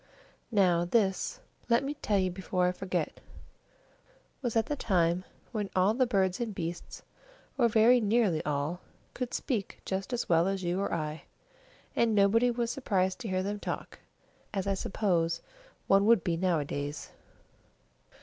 Now, this, let me tell you before I forget, was at the time when all the birds and beasts, or very nearly all, could speak just as well as you or I; and nobody was surprised to hear them talk, as I suppose one would be nowadays.